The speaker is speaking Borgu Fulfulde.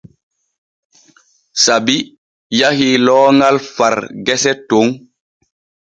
Sabi yahi looŋal far gese ton.